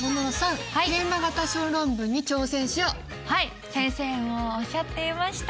はい先生もおっしゃっていました。